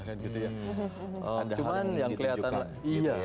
tanda tangan ini ditunjukkan gitu ya